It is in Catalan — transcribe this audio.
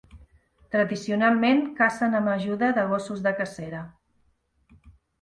Tradicionalment cacen amb ajuda de gossos de cacera.